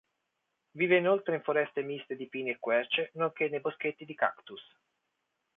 Vive inoltre in foreste miste di pini e querce, nonché nei boschetti di cactus.